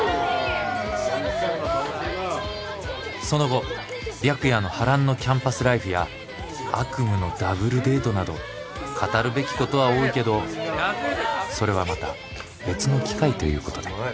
その後白夜の波乱のキャンパスライフや悪夢のダブルデートなど語るべきことは多いけどそれはまた別の機会ということで。